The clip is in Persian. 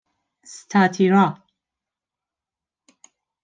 اِستاتیرا